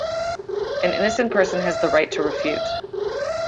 An innocent person has the right to refute.